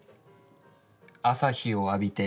「朝日を浴びて」。